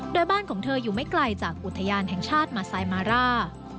โดยบ้านของเธออยู่ไม่ไกลจากอุทยานแห่งชาติมาไซมาร่า